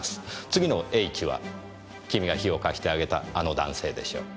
次のＨは君が火を貸してあげたあの男性でしょう。